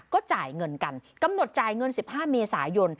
ก็จ่ายเงินกันกำหนดจ่ายเงิน๑๕เมษายน